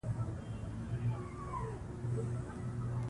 مرکزي او فرعي کرکترونو په دې ناول کې